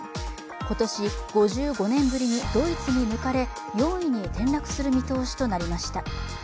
今年、５５年ぶりにドイツに抜かれ４位に転落する見通しとなりました。